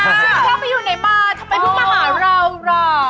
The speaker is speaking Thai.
เชฟไปอยู่ในบ้านทำไมเพิ่งมาหาเราล่ะ